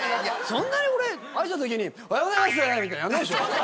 そんなに俺挨拶のときに「おはようございます」みたいのやんないでしょ？